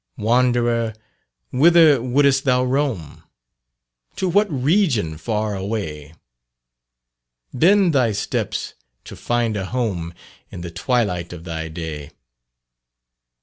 Wanderer, whither would'st thou roam? To what region far away? Bend thy steps to find a home, In the twilight of thy day.